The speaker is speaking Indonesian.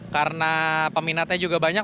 karena peminatnya juga banyak